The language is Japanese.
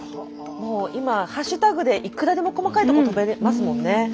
今ハッシュタグでいくらでも細かいとこ飛べれますもんね。